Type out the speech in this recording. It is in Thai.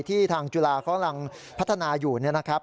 ที่ทางจุฬาเขาอำนังพัฒนาอยู่นะครับ